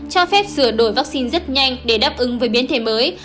cho phép sửa đổi vaccine rất nhanh để đáp ứng với biến thể mới